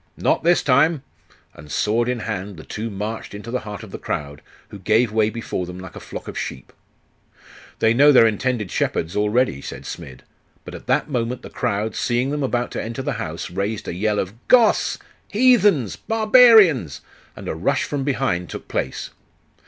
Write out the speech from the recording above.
'Not this time.' And sword in hand, the two marched into the heart of the crowd, who gave way before them like a flock of sheep. 'They know their intended shepherds already,' said Smid. But at that moment the crowd, seeing them about to enter the house, raised a yell of 'Goths! Heathens! Barbarians!' and a rush from behind took place.